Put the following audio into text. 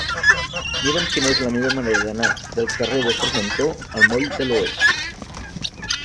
Mira'm quina és la millor manera d'anar del carrer de Formentor al moll de l'Oest.